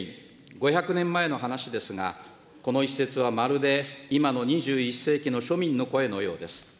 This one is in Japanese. ５００年前の話ですが、この一節は、まるで、今の２１世紀の庶民の声のようです。